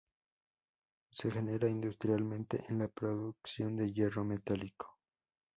Se genera industrialmente en la producción de hierro metálico.